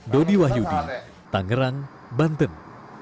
dodi wahyudi tangerang banten